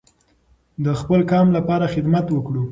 د خپل قام لپاره خدمت وکړو.